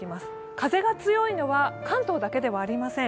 風が強いのは関東だけではありません。